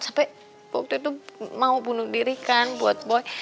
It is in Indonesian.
sampai waktu itu mau bunuh diri kan buat boy